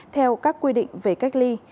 theo các quy định về cách ly